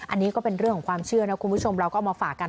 อันนี้ก็เป็นเรื่องของความเชื่อนะคุณผู้ชมเราก็เอามาฝากกัน